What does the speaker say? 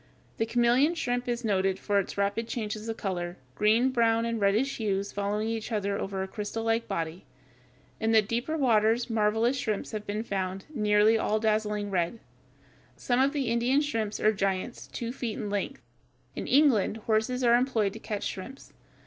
The chameleon shrimp is noted for its rapid changes of color, green, brown, and reddish hues following each other over its crystallike body. In the deeper waters marvelous shrimps have been found, nearly all a dazzling red. Some of the East Indian shrimps are giants two feet in length. In England horses are employed to catch shrimps.